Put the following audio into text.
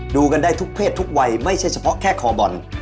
ดูกันได้ทุกเพศทุกวัยไม่ใช่เฉพาะแค่คอบอล